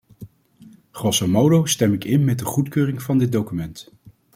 Grosso modo stem ik in met de goedkeuring van dit document.